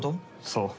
そう。